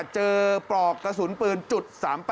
เจอปลอกกระสุนปืนจุด๓๘